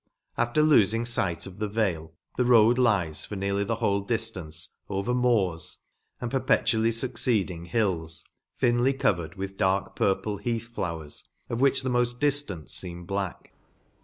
After lofmg fight of the vale, the road lies, for nearly the whole diftance, over moors and per petually fucceeding hills, thinly covered with dark purple heath flowers, of which the moft diftant feemed black.